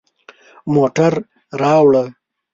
موټر راوړه